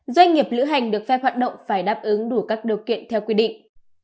doanh nghiệp lữ hành được phép hoạt động phải đáp ứng đủ các điều kiện theo quy định